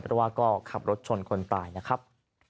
เพราะว่าก็ขับรถชนคนตายนะครับ